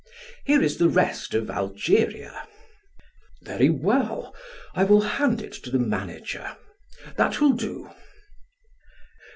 "Here is the rest of Algeria." "Very well, I will hand it to the manager. That will do."